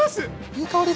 いい香り！